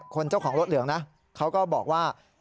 เจ้าของรถเหลืองนะเขาก็บอกว่า